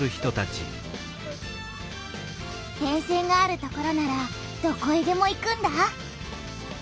電線がある所ならどこへでも行くんだ。